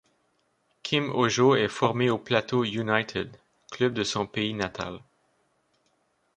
Kim Ojo est formé au Plateau United, club de son pays natal.